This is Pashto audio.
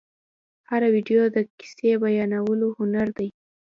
هره ویډیو د کیسې بیانولو هنر دی.